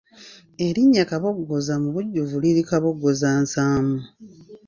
Erinnya Kaboggoza mu bujjuvu liri Kaboggozansaamu.